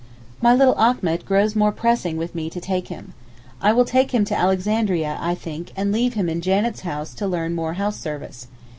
My little Achmet grows more pressing with me to take him. I will take him to Alexandria, I think, and leave him in Janet's house to learn more house service.